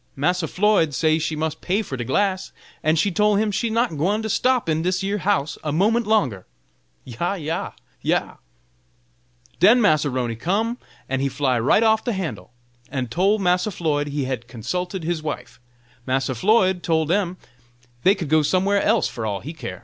Massa Floyd say she must pay for de glass, and she tole him she's not gwine to stop in dis yer house a moment longer. Yah! yah! yah! Den Massa 'Roney come, and he fly right off de handle, and tole Massa Floyd he had consulted his wife. Massa Floyd tole dem dey could go somewhere else fur all he care.